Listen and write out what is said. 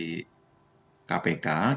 baik kami akan mendalami pernyataan dari pns